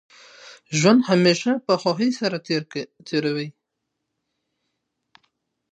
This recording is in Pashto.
ژوند همېشه په خوښۍ سره تېروئ!